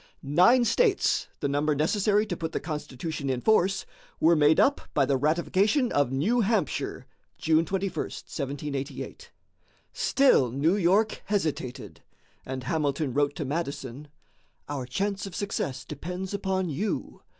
Nine states, the number necessary to put the Constitution in force, were made up by the ratification of New Hampshire (June 21, 1788). Still New York hesitated, and Hamilton wrote to Madison: "Our chance of success depends upon you.